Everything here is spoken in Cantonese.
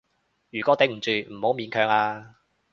如果頂唔住，唔好勉強啊